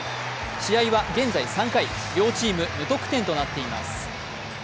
試合は現在３回、両チーム無得点となっています。